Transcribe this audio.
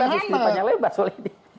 makanya kita bisa dipanjang lebar soalnya ini